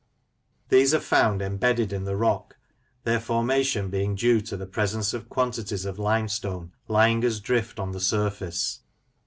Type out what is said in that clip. These are found embedded in the rock, their formation being due to the presence of quantities of limestone lying as drift on the surface.